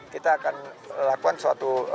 kita akan lakukan suatu